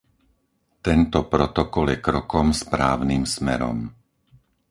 Tento protokol je krokom správnym smerom.